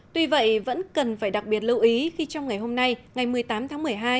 tuy vậy vẫn cần phải đặc biệt lưu ý khi trong ngày hôm nay ngày một mươi tám tháng một mươi hai